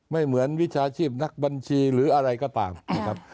เหมือนวิชาชีพนักบัญชีหรืออะไรก็ตามนะครับ